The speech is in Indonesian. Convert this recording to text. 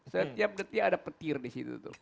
setiap detik ada petir di situ tuh